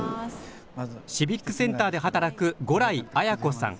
シビックセンターで働く五耒綾子さん。